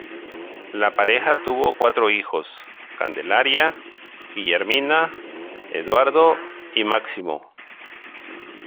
La pareja tuvo cuatro hijos: Candelaria, Guillermina, Eduardo y Máximo.